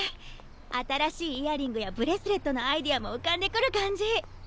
新しいイヤリングやブレスレットのアイデアもうかんでくる感じ。